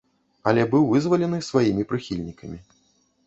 Але быў вызвалены сваімі прыхільнікамі.